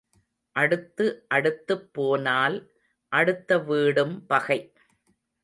அடுத்து அடுத்துப் போனால் அடுத்த வீடும் பகை.